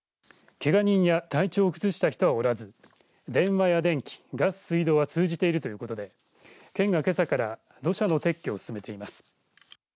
けが人や体調を崩した人はおらず電話や電気、ガス、水道は通じているということで県がけさから土砂の撤去を進めています。